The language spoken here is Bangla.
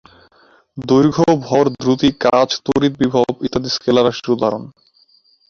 দৈর্ঘ্য, ভর, দ্রুতি, কাজ, তড়িৎ বিভব ইত্যাদি স্কেলার রাশির উদাহরণ।